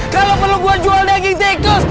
kalau perlu gue jual daging dekos